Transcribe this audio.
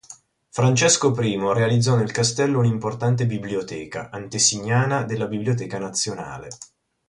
Francesco I realizzò nel castello un'importante biblioteca, antesignana della biblioteca nazionale.